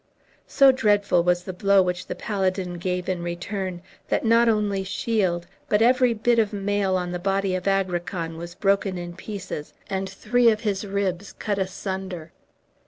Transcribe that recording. So dreadful was the blow which the paladin gave in return, that not only shield, but every bit of mail on the body of Agrican was broken in pieces, and three of his ribs cut asunder.